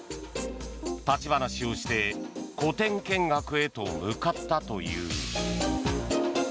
立ち話をして個展見学へと向かったという。